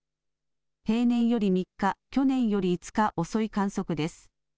平年より３日去年より５日遅い観測です。